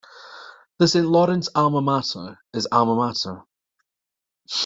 The Saint Lawrence Alma Mater is Alma Mater.